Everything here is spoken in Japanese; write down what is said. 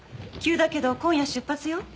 急だけど今夜出発よ。